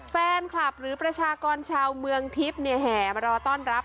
แฟนคลับหรือประชากรชาวเมืองทิพย์เนี่ยแห่มารอต้อนรับ